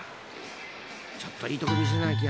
［ちょっといいとこ見せなきゃ。